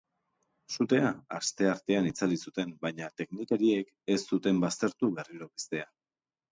Sutea asteartean itzali zuten, baina teknikariek ez zuten baztertu berriro piztea.